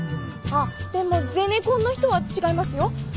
あっでもゼネコンの人は違いますよ。